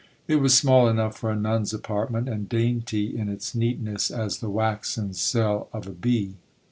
It was small enough for a nun's apartment, and dainty in its neatness as the waxen cell of a bee.